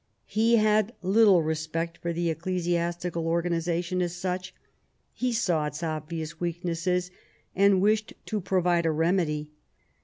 He had little respect for the ecclesiastical organisation as such ; he saw its obvious weaknesses, and wished to provide a remedy.